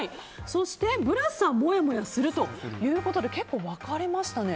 そして、ブラスさんもやもやするということで結構、分かれましたね。